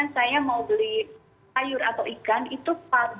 saya mau beli sayur atau ikan itu